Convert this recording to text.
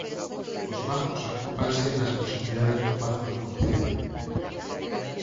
Os bancos agrúpanse nas proximidades do Pazo do Concello.